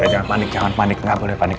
oke jangan panik jangan panik gak boleh panik